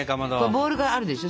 ボウルがあるでしょ？